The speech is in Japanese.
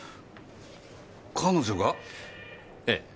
彼女が？ええ。